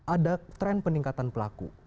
ada tren peningkatan pelaku